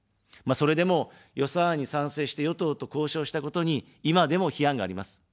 それでも、予算案に賛成して、与党と交渉したことに、今でも批判があります。